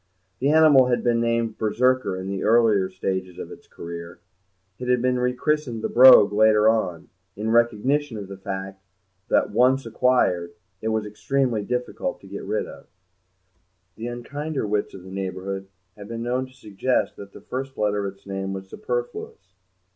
The animal had been named Berserker in the earlier stages of its career; it had been rechristened the Brogue later on, in recognition of the fact that, once acquired, it was extremely difficult to get rid of. The unkinder wits of the neighbourhood had been known to suggest that the first letter of its name was superfluous.